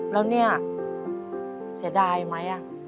แล้วเนี่ยเสียดายไหม